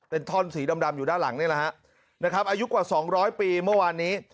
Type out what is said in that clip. เป็นท่อนสีดำอยู่ด้านหลังนี้เลย